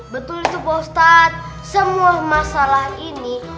betul itu bos ustadz semua masalah ini